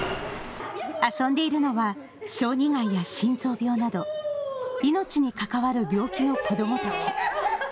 遊んでいるのは小児がんや心臓病など命に関わる病気の子どもたち。